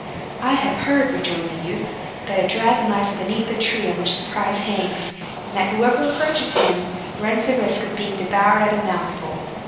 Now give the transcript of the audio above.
"I have heard," rejoined the youth, "that a dragon lies beneath the tree on which the prize hangs, and that whoever approaches him runs the risk of being devoured at a mouthful."